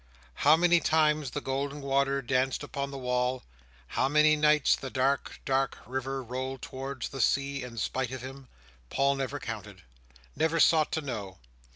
How many times the golden water danced upon the wall; how many nights the dark, dark river rolled towards the sea in spite of him; Paul never counted, never sought to know.